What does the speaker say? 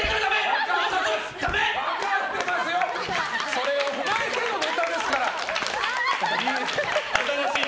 それを踏まえてのネタですから！